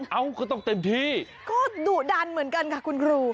เอ้อคุณต้องเต็มที่ดูดันเหมือนกันคะคุณครู